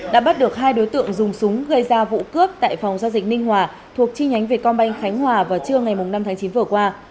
đã bắt được hai đối tượng dùng súng gây ra vụ cướp tại phòng giao dịch ninh hòa thuộc chi nhánh việt công banh khánh hòa vào trưa ngày năm tháng chín vừa qua